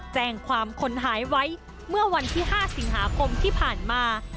แจ้งความคนหายไว้เมื่อวันที่๕สิงหาคมที่ผ่านมา